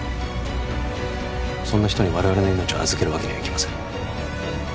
そんな人に我々の命を預けるわけにはいきません